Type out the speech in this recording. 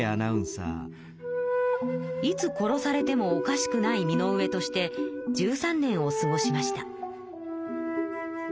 いつ殺されてもおかしくない身の上として１３年を過ごしました。